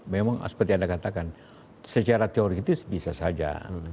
memang seperti anda katakan secara teoritis bisa saja